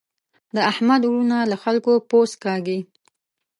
د احمد وروڼه له خلګو پوست کاږي.